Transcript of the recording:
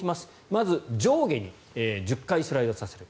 まず上下に１０回スライドさせる。